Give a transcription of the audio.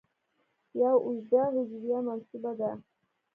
یو اوږده هجویه منسوبه ده.